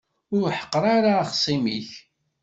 Ur ḥeqqeṛ ara axṣim-ik.